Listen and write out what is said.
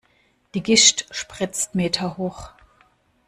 Die Gischt spritzt meterhoch.